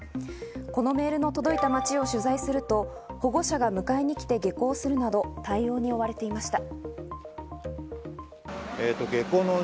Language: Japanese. このメールの届いた街を取材すると、保護者が迎えに来て下校するなど、対応に追われていました。